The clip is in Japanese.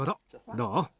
どう？